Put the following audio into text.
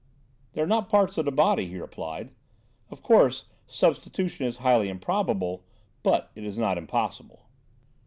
"They're not parts of the body," he replied. "Of course, substitution is highly improbable. But it is not impossible."